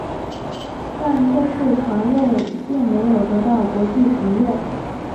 但这次传位并没有得到国际承认。